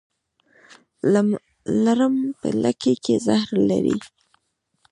لړم په لکۍ کې زهر لري